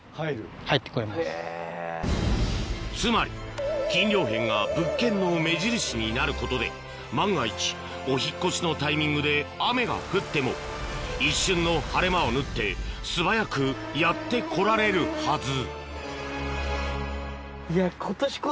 つまりキンリョウヘンが物件の目印になることで万が一お引っ越しのタイミングで雨が降っても一瞬の晴れ間を縫って素早くやって来られるはず